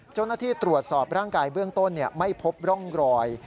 เจ้าหน้าที่ตรวจสอบร่างกายเบื้องต้นไม่พบร่องรอย